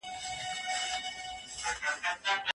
که تاسي د سيمې له هېوادونو سره اړيکې ونه لرئ، سوداګري نه کېږي.